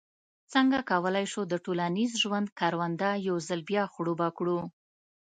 څنګه کولای شو د ټولنیز ژوند کرونده یو ځل بیا خړوبه کړو.